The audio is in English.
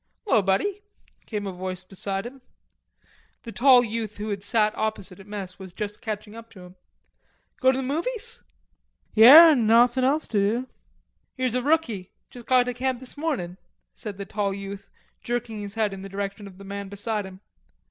"'Lo, buddy," came a voice beside him. The tall youth who had sat opposite at mess was just catching up to him. "Goin' to the movies?" "Yare, nauthin' else to do." "Here's a rookie. Just got to camp this mornin'," said the tall youth, jerking his head in the direction of the man beside him.